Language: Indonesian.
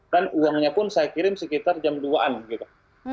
dan uangnya pun saya kirim sekitar jam dua an gitu